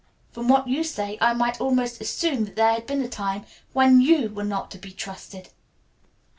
From what you say I might almost assume that there had been a time when you were not to be trusted."